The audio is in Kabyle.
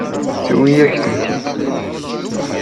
Tewwi-yak-tent-id.